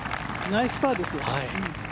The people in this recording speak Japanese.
ナイスパーですよ。